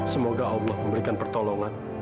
semoga allah memberikan pertolongan